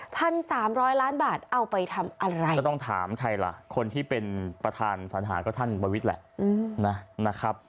สามร้อยล้านบาทเอาไปทำอะไรก็ต้องถามใครล่ะคนที่เป็นประธานสัญหาก็ท่านประวิทย์แหละนะครับ